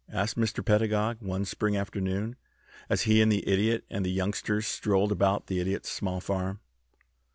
asked Mr. Pedagog one spring afternoon, as he and the Idiot and the youngsters strolled about the Idiot's small farm.